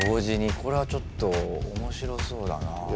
これはちょっと面白そうだな。